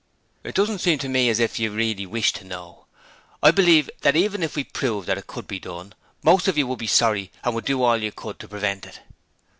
'It doesn't seem to me as if any of you really wish to know. I believe that even if it were proved that it could be done, most of you would be sorry and would do all you could to prevent it.'